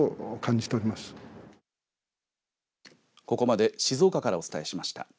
ここまで静岡からお伝えしました。